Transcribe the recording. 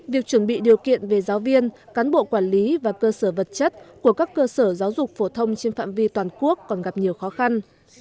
việc chuẩn bị điều kiện về giáo viên cán bộ quản lý và cơ sở vật chất của các cơ sở giáo dục phổ thông trên phạm vi toàn quốc còn gặp nhiều khó khăn